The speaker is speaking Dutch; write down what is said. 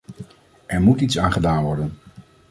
Er moet iets aan gedaan worden.